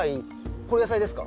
これ野菜ですか？